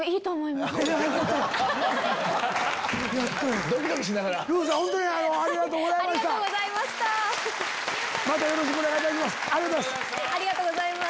またよろしくお願いいたします。